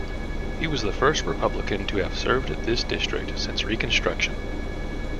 He was the first Republican to have served this district since Reconstruction.